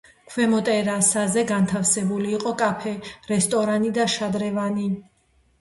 ქვემო ტერასაზე განთავსებული იყო კაფე, რესტორანი და შადრევანი.